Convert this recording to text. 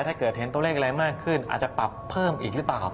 ถ้าเกิดเทนต์ต้นเลขอะไรมิดหน้าขึ้นอาจจะปรับเพิ่มอีกหรือเปล่า